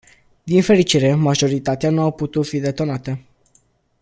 Din fericire, majoritatea nu au putut fi detonate.